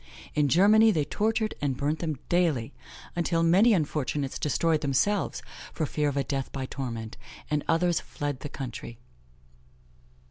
In Germany, they tortured and burnt them daily, until many unfortunates destroyed themselves for fear of a death by torment, and others fled the country.